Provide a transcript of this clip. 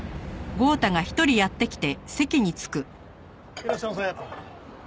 いらっしゃいませ。